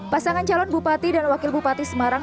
pasangan calon bupati dan wakil bupati semarang